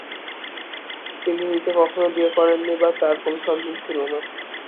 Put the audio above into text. তিনি নিজে কখনও বিয়ে করেননি বা তার কোনও সন্তান ছিল না।